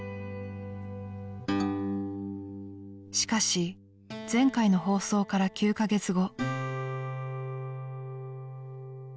［しかし前回の放送から９カ月後］